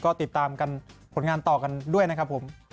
ก็ติดตามกันผลงานต่อกันด้วยนะครับผม